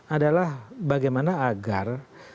adalah bagaimana agar